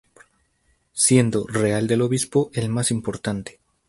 Siendo Real Del Obispo el más importante.